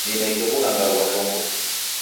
Nineke w'ughanga ghwa chongo.